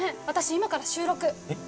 今から収録えっ？